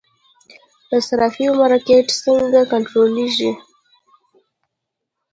د صرافیو مارکیټ څنګه کنټرولیږي؟